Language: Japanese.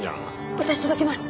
私届けます！